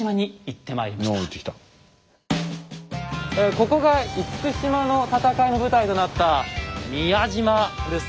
ここが厳島の戦いの舞台となった宮島です。